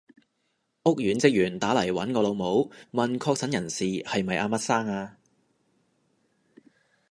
屋苑職員打嚟搵我老母，問確診人士係咪阿乜生啊？